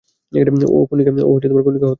ও খুনিকে হত্যা করবে।